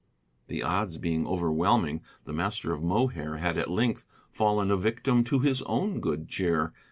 The odds being overwhelming, the master of Mohair had at length fallen a victim to his own good cheer.